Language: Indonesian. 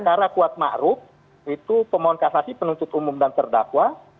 untuk perkara kuat makrup itu permohonan kasasi penuntut umum dan terdakwa